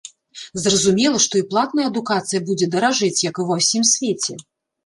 Зразумела, што і платная адукацыя будзе даражэць, як і ва ўсім свеце.